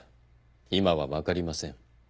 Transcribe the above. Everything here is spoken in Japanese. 今は分かりません。